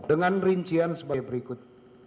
dengan rincian sebagai berikut